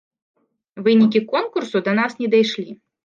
Вынікі конкурсу да нас не дашлі.